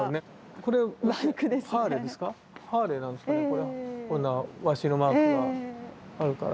こんなワシのマークがあるから。